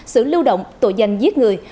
xử lưu động tội giành giết người